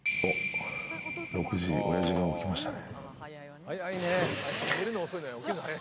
６時、おやじが起きましたね。